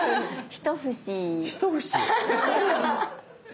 一節？